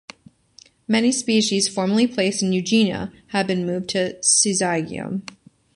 Many species formerly placed in "Eugenia" have been moved to "Syzygium".